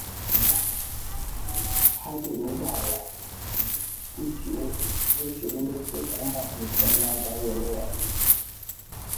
Ha jiri ụgbọala kụtuo otu onye soja mba Britain na-agara onwe ya